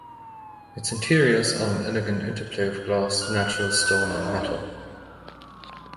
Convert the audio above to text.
Its interiors are an elegant interplay of glass, natural stone and metal.